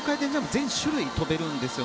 全種類跳べるんです。